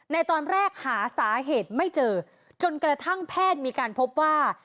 ในตอนแรกหาสาเหตุไม่เจอจนกระทั่งแพทย์มีการพบว่า